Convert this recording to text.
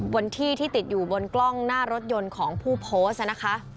บนที่ที่ติดอยู่บนกล้องหน้ารถยนต์ของผู้โพสต์นะคะ